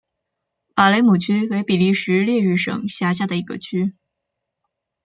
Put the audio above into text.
瓦雷姆区为比利时列日省辖下的一个区。